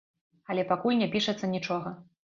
Але пакуль не пішацца нічога.